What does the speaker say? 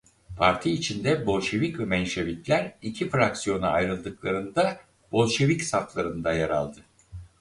Parti içinde Bolşevik ve Menşevikler iki fraksiyona ayrıldıklarında Bolşevik saflarında yer aldı.